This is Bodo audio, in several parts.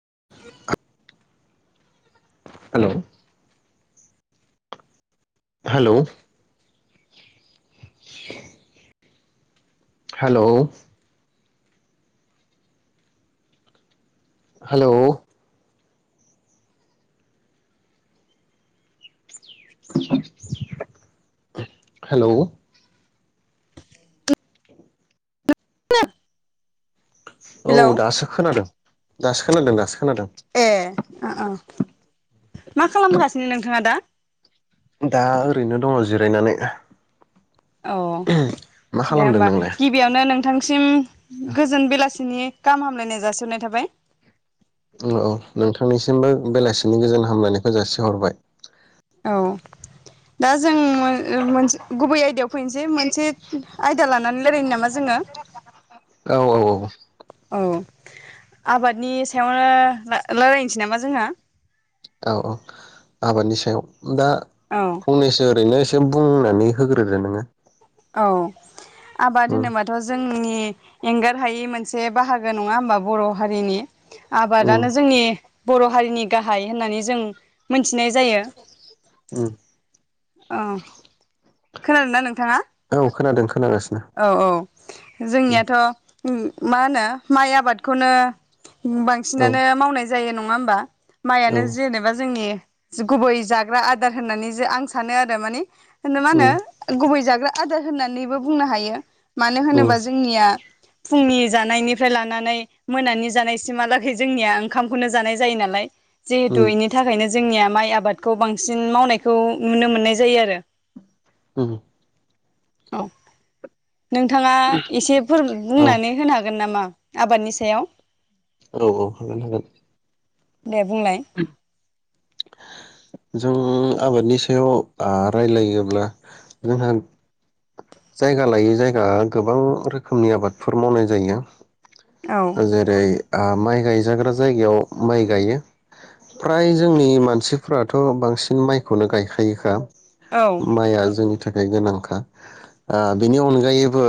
[inaudible] Hello hello [inaudible] hello hello hello [inaudible] औ हेलौ दासो खोनादों दासो खोनादों दासो खोनादों आ आ मा खालामगासिनो नोंथाङा दा दा ओरैनो दङ जिरायनानै अ मा दे खालामदों होमबा नोंलाय गिबियावनो नोंथां सिम गोजोन बेलासि बिनि खाम हामलायनाय जासिहरनाय थाबाय औ औ नोंथांनिसिमबो बेलासिनि गोजोन हामलायनायखौ जासिहरबाय औ दा जों मोन मोनस गुबै आयदायाव फैनसै मोनसे आयदा लानानै लायरायनो नामा जोङो औ औ औ औ आबादनि सायावनो लाय लायरायनोसै नामा जोंहा औ औ आबादनि सायाव दा औ फंनैसो ओरैनो सो बुंनानै होग्रोदो नोङो औ आबाद उम होनोबाथ' जोंनि एंगार हायि मोनसे बाहागो नङा होमबा बर' हारिनि उम आबादानो जोंनि बर' हारिनि गाहाय होननानै जों मोनथिनाय जायो उम औ खोनादों ना नोंथाङा औ खोनादों खोनागासिनो औ औ उम जोंनियाथ' उम मा होनो माइ आबादखौनो औ बांसिनानो मावनाय जायो नं नङा होमबा औ माइआनो जेनेबा जोंनि जगुबै जाग्रा आदार होननानै जे आं सानो आरो मानि होन मा होनो उम गुबै जाग्रा आदार होननानैबो बुंनो हायो मानो उम होनोबा जोंनिया फुंनि जानायनिफ्राय लानानै मोनानि जानायसिमहालागै जोंनिया ओंखामखौनो जानाय जायो नालाय जिहेतु उम एनि थाखायनो जोंनिया माइ आबादखौ बांसिन मावनायखौ नुनो मोननाय जायो आरो उम औ नोंथाङा एसे औ बुंनानै होनो हागोन नामा? आबादनि सायाव औ औ हागोन हागोन। दे बुंलाय जों आबादनि सायाव आ रायलायोब्ला जोंहा जायगा लायै जायगा गोबां रोखोमनि आबादफोर मावनाय जायो। औ जेरै आ माइ गायजाग्रा जायगायाव माइ गायो फ्राय जोंनि मानसिफ्राथ' बांसिन माइखौनो गायखायोखा। औ माइया जोंनि थाखाय गोनांखा आ बिनि अनगायैबो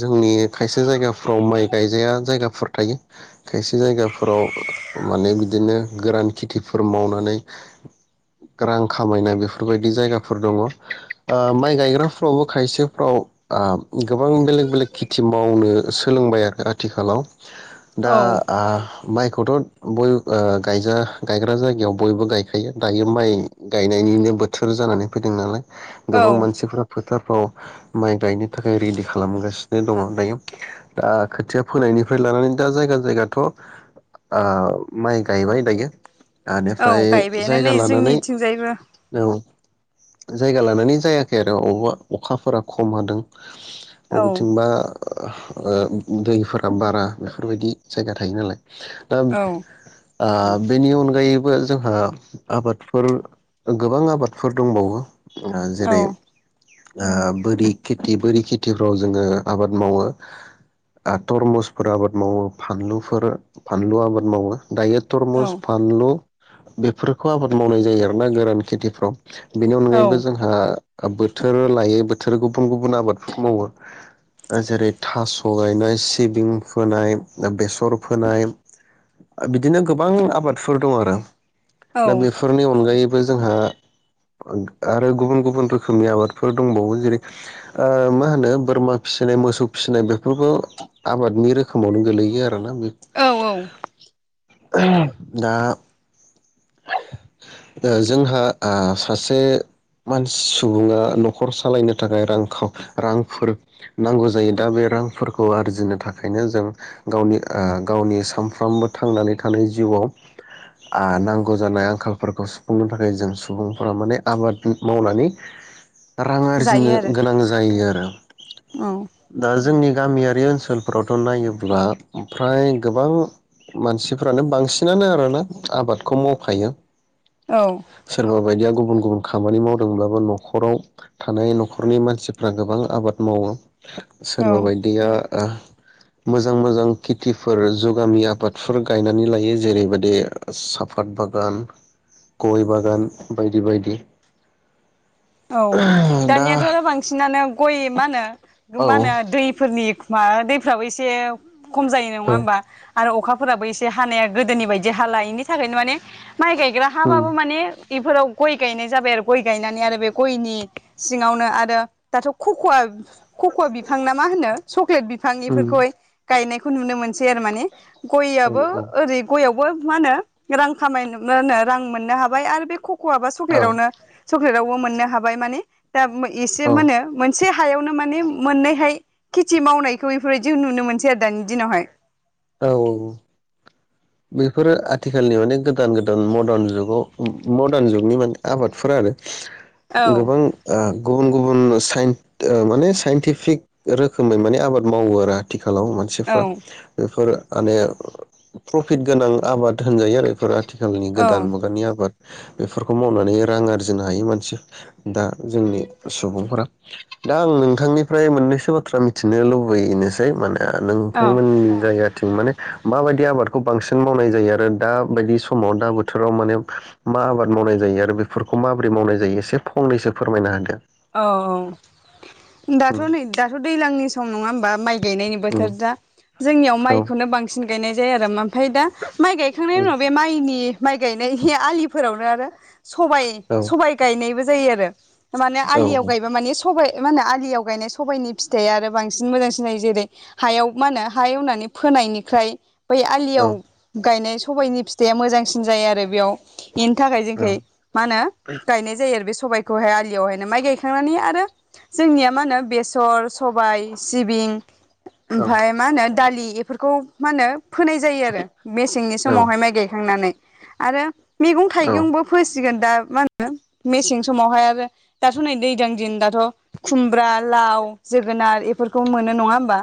जोंनि खायसे जायगाफ्राव माइ गायजाया जायगा फोर थायो। खायसे जायगाफोराव माने बिदिनो गोरान खेथिफोर मावनानै रां खामायनाय बेफोरबायदि जायगाफोर दङ ओ माइ गायग्राफ्रावबो खायसेफ्राव गोबां बेलेग बेलेग खेथि मावनो सोलोंबाय आरो आथिखालाव दा औ आ माइखौथ' ओ बयबो गायजा गायग्रा जायगायाव बयबो गायखायो दायो माइ गायनायनिनो बोथोर जानानै फैदों नालाय। औ गोबां मानसिफोरा फोथा माइ गायनो थाखाय रेडि खालामगासिनो दङ दायो दा खोथिया फोनायनि फ्राय लानानै दा जायगा जायगाथ' आ माइ गायबाय दायो। औ ओनिफ्राय गायबायानो जायगा नै लानानै जोंनिथिंजायबो औ। जायगा लानानै जायाखै आरो अबावबा अखाफोरा खम हादों। औ बबेथिंबा ओ दैफोरा बारा बेफोरबायदि जायगा थायो नालाय ओम औ आ बेनि अनगायैबो जोंहा आबादफोर गोबां आबादफोर दंबावो ओ औ जेरै ओ बोरि खेथि बोरि खेथिफ्राव जोङो आबाद मावो आ तरमुसफोर आबाद मावो फानलुफोर फानलु आबाद मावो। दायो औ तरमस, फानलु बेफोरखौ आबाद मावनाय जायो आरोना गोरान खेथिफ्राव [inaudible] बेनि औ अनगायैबो जोंहा बोथोर लायै बोथोर गुबुन गुबुन आबादफोर मावो जेरै थास' गायनाय सिबिं फोनाय बेसर फोनाय बिदिनो गोबां आबादफोर दं आरो औ दा बेफोरनि अनगायै बो जोंहा आरो गुबुन गुबुन रोखोमनि आबादफोर दंबावो जेरै ओ मा होनो बोरमा फिसिनाय मोसौ फिसिनाय बेफोरबो आबादनि रोखोमावनो गोलैयो। औ औ [unintelligible] दा ओ जोंहा आ सासे मानसि सुबुङा न'खर सालायनो थाखाय रां रांफोर नांगौ जायो दा बे रांफोरखौ आरजिनो थाखायनो जों गावनि ओ गावनि सानफ्रोमबो थांनानै थानाय जिउआव आ नां गौ जानाय आंखालफोरखौ सुफुंनो थाखाय जों सुबुंफोरा माने आबाद मावनानै रां जायो आरजिनो आरो गोनां जायो आरो औ दा जोंनि गामियारि ओनसोलफोरावथ' नायोब्ला फ्राय गोबां मानसिफ्रानो बांसिनानो आरोना आबादखौ माव खायो औ सोरबा बायदिया गु बुन गुबुन खामानि मावदोंब्लाबो न'खराव थानाय न'खरनि मानसिफ्रा गोबां आबाद मावो। सोरबा औ बायदिया आ मोजां मोजां खेथिफोर जुगामि आबादफोर गायनानै लायो जेरैबायदि सा फात बागान गय बागान बायदि बायदि औ दा दानियाथ' बांसिनानो गय मा होनो औ मा होनो दैफोरनि माबा दैफ्राबो एसे खम जायो नङा औ होमबा आरो अखाफोराबो एसे हानाया गोदोनि बायदि हाला बेनि थाखायनो माने माइ गायग्रा उम हाबाबो माने बेफोराव गय गायनाय जाबाय आरो गय गायनानै आरो बे गयनि सिङावनो आरो दाथ' खख'आ कक' बिफां ना मा होनो चक्लेट बिफां उम इफोरखौहाय गायनायखौ नुनो मोनसै आरो माने औ गयाबो ओरै गयाव मा होनो रां खामाय होन रां मोननो हाबाय आरो बे कटवा बा औ चक्लेटानो चक्लेटाव अ मोननो हाबाय माने दा एसे औ मानो मोन मोनसे हायावनो माने मोननैहाय खेथि मावनायखौ एफोरबायदि नुनो मोनसै आरो दानि दिनावहाय औ औ बेफोरो आथिखालनि माने गोदान गोदान मडार्न जुगाव मडार्न जुगनि माने आबादफोरा आरो औ गोबां आ गुबुन गुबुन माने साइनटिफिक रोखोमै माने आबाद मावो आरो आथि खालाव औ मानसिफ्रा बेफोरो [unintelligible] प्रफिट गोनां आबाद होनजायो आरो बेफोर आथिखालनि औ गोदान मुगानि आबाद बेफोरखौ मावनानै रां आरजिनो हायो मानसि दा जोंनि सुबुंफोरा दा आं नोंथांनिफ्राय मोननैसो बाथ्रा मिथिनो लुबैनोसै माने ओ औ नोंथांमोननि जायगाथिं माने माबायदि आबाद खौ बांसिन मावनाय जायो आरो दा बायदि समाव दा बोथोराव माने मा आबाद मावनाय जायो आरो बेफोरखौ माबोरै मावनाय जायो एसे फंनैसो फोरमायना होदो औ औ दाथ' नै दाथ' दैज्लांनि सम नङा होमबा माइ गानायनि बोथोर दा जोंनियाव होदो उम माइखौनो बांसिन गायनाय जायो आरो ओमफ्राय दा माइ गायखांनायनि उम उनाव बे माइनि माइ गायनाय आलिफोरावनो आरो सबाय औ सबाय गायनायबो जायो आरो माने औ आलियाव गयबा माने स सबाइ मा होनो आलियाव गायनाय सबायाइनि फिथाइआ आरो बांसिन मोजांसिन जायो जेरै हायाव मा होनो हा एवनानै फोनायनिफ्राय बै औ आलियाव गायनाय सबायाइनि फिथाइया मोजांसिन जायो आरो बेयाव बेनि थाखाय जोंनिखै मा होनो गायनाय जायो आरो बे स सबायाइखौहाय आलियावहाय माइ गायखांनानै आरो जोंनिया मा होनो बेसर सबाय सिबिं ओमफाय मा होनो दालि एफोरखौ मा होनो फोनाय जायो आरो मेसेंनि समावहाय माइ गायखांनानै आरो मैगं औ थाइगंबो फोसिगोन दा मा होनो मेसें समावहाय आरो दाथ' नै दैज्लां दिन दाथ' खुमब्रा लाव जोगोनार बेफोरखौ मोनो नङा होमबा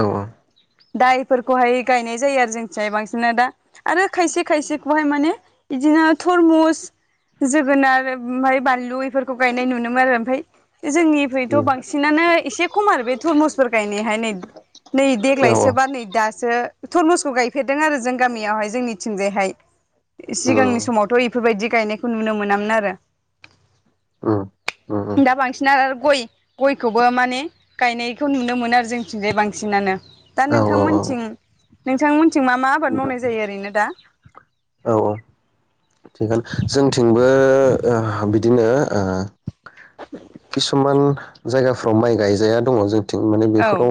औ औ दा बेफोरखौहाय गायनाय जायो आरो जोंनिथिंजाय बांसिनानो दा आरो खायसे खायसेखौहाय माने बिदिनो थरमुस जोगोनार ओमफ्राय बानलु बेफोरखौ गायनाय नुनो मोनो आरो ओमफ्राय जोंनिखैथ' उम बांसिनानो एसे खम आरो बे थुरमुसफोर गायनायाहाय नै नै औ औ देग्लाय नै दासो थरमुसखौ गायफेरदों आरो जों गामियावहाय जोंनिथिंजायहाय उम सिगांनि समावथ' इफोरबायदि गायनायखौ नुनो मोनामोन आरो उम उम उम दा बांसिन गय गयखौबो माने गायनायखौ नुनो मोनो आरो जोंथिंजाय बांसिनानो दा औ औ नोंथांमोनथिं नोंथांमोनथिं मा मा आबाद उम मावनाय जायो ओरैनो दा जोंथिं बो बिदिनो किसुमान जायगाफ्राव माइ गायजाया दङ जोंथिं माने औ बेफोराव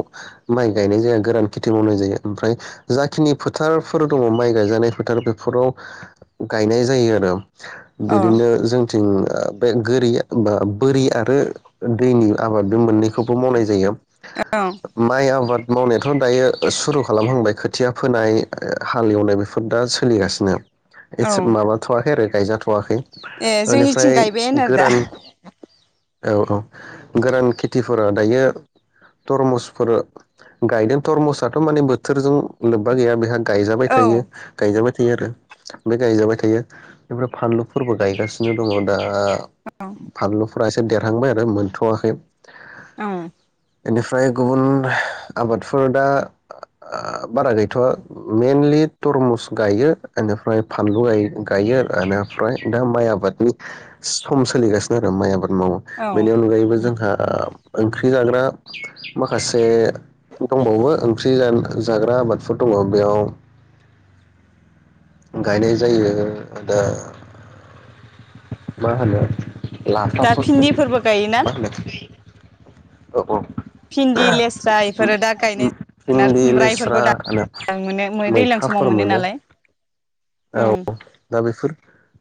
माइ गायनाय जाया गोरान खेथि मावनाय जायो ओमफ्राय जाखिनि फोथारफोर दङ माइ गायजानाय फोथार बेफोराव गायनाय जायो आरो अ बिदिनो जोंथिं बे गोरिया बा बोरया आरो दैनि आबादबो मोननैखौबो मावनाय जायो औ माइ आबाद मावनायाथ' दायो सुरु खालामहांबाय खोथिया फोनाय हाल एवनाय बेफोर दा सोलिगासिनो एसे औ मामाथ'आखै आरो गायजाथ'वाखै ए बेनिफ्राय जोंनिथिं गायबायानो आरो दा गोरान औ औ गोरान खेथिफोरा दायो थरमुसफोर गायदों थरमुसाथ' माने बोथोरजों लोब्बा गैया बेहा गायजाबाय औ थायो गायजाबाय थायो आरो बे गायजाबाय थायो ओमफ्राय फानलुफोरबो गायगासिनो दङ दा औ बानलु फरायसा देरहांबाय आरो मोनथ'वाखै औ बेनिफ्राय गुबुन आबादफोर दा बारा गैथ'वा मेइनलि तरमुस गायो बेनिफ्राय फानलु गायो बेनिफ्राय दा माइ आबादनि सम सोलिगासिनो आरो माइ आबाद मावो औ बेनि अनगायैबो जोंहा ओंख्रि जानो माखासे दंबावो ओंख्रि जाग्रा आबादफोर दङ बेयाव गायनाय जायो दा मा होनो दा लाफाफोर भिन्दिफोरबो गायोना मा होनो औ भिन्दि लेस्रा इफोरो दा गायनाय जोन आरो भिन्दि खुमब्रा लेस्रा बेफोरखौ होनो दाज मोनो दैज्लां समाव मोनो नालाय औ दा बेफोर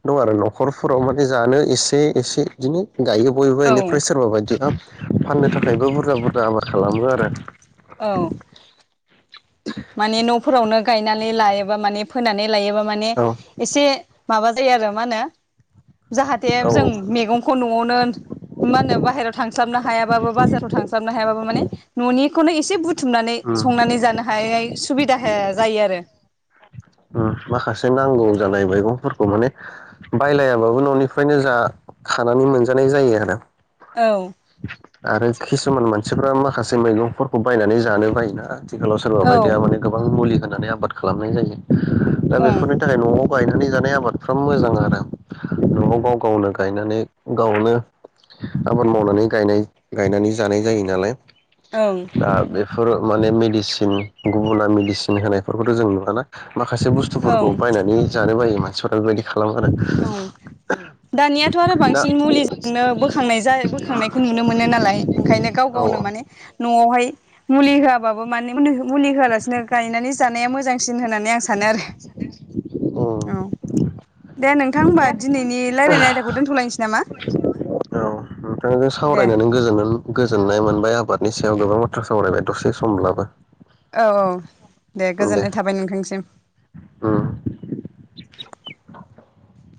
दं आरो न'खरफोराव माने जानो एसे एसे बिदिनो गायो बयबो औ इनिफ्राय सोरबा बायदिया फाननो थाखायबो बुरजा बुरजा आबाद खालामो आरो औ माने न'फोरावनो गायनानै लायोबा माने फोनानै लायोबा माने औ एसे माबा जायो आरो मा होनो जाहाथे औ जों मैगंखौ न'आवनो मा होनो बाहेरायाव थांस्लाबनो हायाबाबो बाजाराव थांस्लाबनो हायाबाबो माने न'निखौनो एसे बुर बुथुमनानै उम संनानै जानो [unintelligible] सुबिदा हो जायो आरो ओ माखासे नांगौ जानाय मैगंफोरखौ माने बायलायाबाबो न'निफ्रायनो जा खानानै मोनजानाय जायो आरो औ आरो किसुमान मानसिफ्रा माखासे मैगंफोरखौ बायनानै जानो बायोना आथिखालाव सोरबा बायदिया औ माने गोबां मुलि होनानै आबाद खालामनाय जायो दा ओं बेफोरनि थाखाय न'आव गायनानै जानाय आबादफ्रा मोजां आरो न'आव गाव गावनो गायनानै गावनो आबाद मावनानै गायनाय गायनानै जानाय जायो नालाय ओं दा बे फोर माने मेडिसिन गुबुना मेडिसिन होनायफोरखौथ' जों नुवाना माखासे बुस्थुफोरखौ बायनानै जानो बायोमोन [unintelligible] औ दानियाथ' आरो दा बांसिन मुलिजोंनो बोखांनाय ज बोखांनायखौ नु नो मोनो नालाय ओंखायनो गाव औ गावनो माने औ न आव आवहाय मुलि होआबाबो माने मुलि मुलि होआलासिनो गायनानै जानाया मोजां सिन होननानै आं सानो उम आरो औ दे नोंथां औ होमबा दिनैनि रायलायनाय आयदाखौ दोनथ'लायनोसै नामा नोंथांजों दे सावरायनानै गोजोननाय मोनबाय आबादनि [unintelligible] बेयाव गोबां बाथ्रा सावरायबाय दसे समब्लाबो औ औ दे गोजोननाय थाबाय नोंथांसिम उम